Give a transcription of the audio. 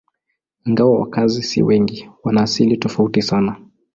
Ingawa wakazi si wengi, wana asili tofauti sana.